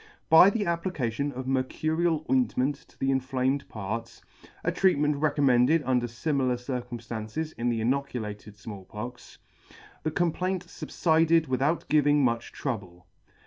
By the application of mercurial ointment to the inflamed parts (a treat ment recommended under flmilar circumftances in the inoculated Small Pox) the complaint fubfided without giving much trouble.